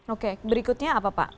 oke berikutnya apa pak